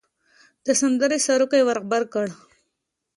د سندرې سروکی ور غبرګ کړ.